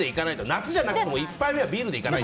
夏じゃなくても最初はビール！